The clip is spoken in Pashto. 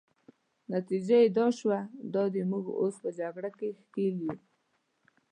نتیجه يې دا شوه، دا دی موږ اوس په جګړه کې ښکېل یو.